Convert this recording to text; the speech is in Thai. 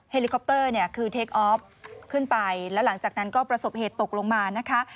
ลิคอปเตอร์เนี่ยคือเทคออฟขึ้นไปแล้วหลังจากนั้นก็ประสบเหตุตกลงมานะคะ